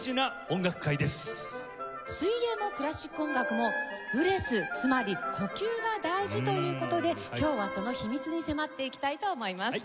水泳もクラシック音楽もブレスつまり呼吸が大事という事で今日はその秘密に迫っていきたいと思います。